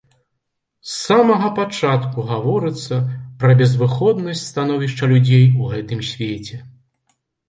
З самага пачатку гаворыцца пра безвыходнасць становішча людзей у гэтым свеце.